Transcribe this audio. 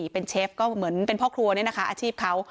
เป็นเชฟก็เหมือนเป็นพ่อครัวเนี่ยนะคะอาชีพเขา